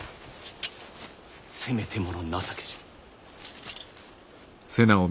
せめてもの情けじゃ。